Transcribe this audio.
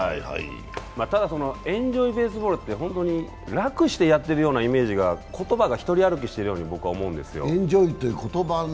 ただ、「エンジョイ・ベースボール」って本当に楽してやってるようなイメージが、言葉がひとり歩きしているように僕は思うんですよ。